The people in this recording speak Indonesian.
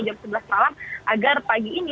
jam sebelas malam agar pagi ini